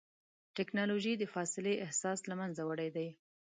ټکنالوجي د فاصلې احساس له منځه وړی دی.